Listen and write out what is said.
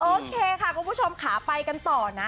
โอเคค่ะคุณผู้ชมขาไปกันต่อนะ